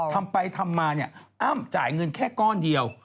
ทำไปทำมาเนี่ยอ้ำจ่ายเงินแค่ก้อนเดียว